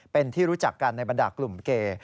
เป็นที่รู้จักกันในบรรดากลุ่มเกย์